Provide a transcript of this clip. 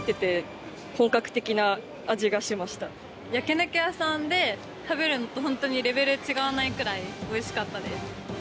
焼肉屋さんで食べるのとホントにレベル違わないくらい美味しかったです。